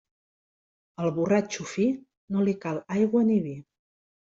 Al borratxo fi no li cal aigua ni vi.